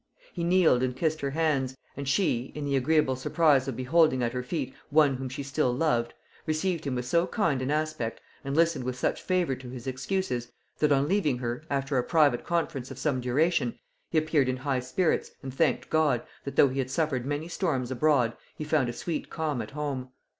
He kneeled and kissed her hands, and she, in the agreeable surprise of beholding at her feet one whom she still loved, received him with so kind an aspect, and listened with such favor to his excuses, that on leaving her, after a private conference of some duration, he appeared in high spirits, and thanked God, that though he had suffered many storms abroad, he found a sweet calm at home.